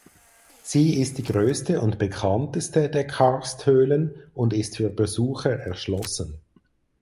Sie ist die größte und bekannteste der Karsthöhlen und ist für Besucher erschlossen.